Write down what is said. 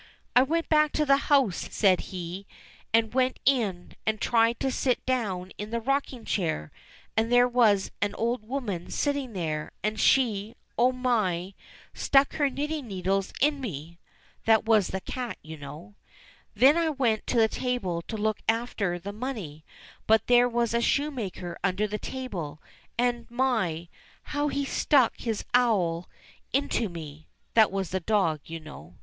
"I went back to the house," said he, "and went in and tried to sit down in the rocking chair, and there was an old woman knitting there, and she — oh my ! stuck her knitting needles into me." {That was the cat, you know.) "Then I went to the table to look after the money, but there was a shoemaker under the table, and my ! how he stuck his awl into me." {That was the dog, you know.)